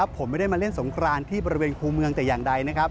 ผมไม่ได้มาเล่นสงครานที่บริเวณคู่เมืองแต่อย่างใดนะครับ